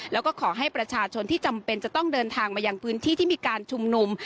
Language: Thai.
แล้วก็ขอให้ประชาชนที่จำเป็นจะต้องเดินทางมายังพื้นที่ที่มีการชุมนุม